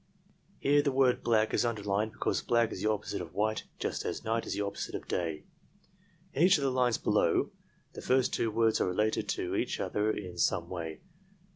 "Here the word bla^k is underlined because black is the op posite of white just as night is the opposite of day. "In each of the lines below, the first two words are related to each other in some way.